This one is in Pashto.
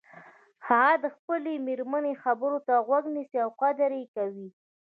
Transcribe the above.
هغه د خپلې مېرمنې خبرو ته غوږ نیسي او قدر یی کوي